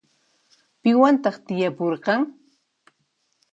Piwantaq tiyapurqan?